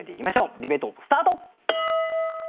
ディベートスタート。